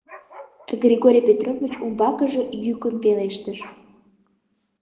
Григорий Петрович умбакыже йӱкын пелештыш: